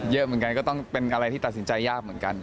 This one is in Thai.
เยอะเหมือนกันก็ต้องเป็นอะไรที่ตัดสินใจยากเหมือนกัน